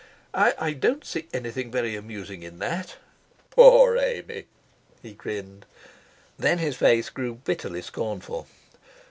"I don't see anything very amusing in that." "Poor Amy," he grinned. Then his face grew bitterly scornful.